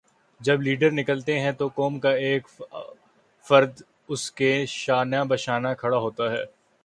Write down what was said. جب لیڈر نکلتا ہے تو قوم کا ایک ایک فرد اسکے شانہ بشانہ کھڑا ہوتا ہے۔